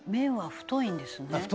「太いんですね」